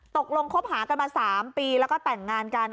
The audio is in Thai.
ตกลงคบหากันมา๓ปีแล้วก็แต่งงานกัน